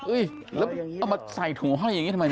เอ้ยแล้วเอามาใส่ถุงอะไรอย่างนี้ทำไม